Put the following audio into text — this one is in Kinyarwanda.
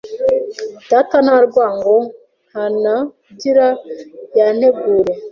Data Ntarwango ya Ntanagira ya Ntegure